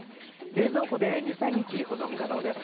冷蔵庫で２３日保存可能です。